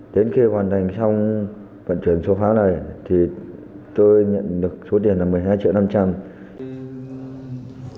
đến khi hoàn thành xong vận chuyển số pháo này thì tôi nhận được số tiền là một mươi hai triệu năm trăm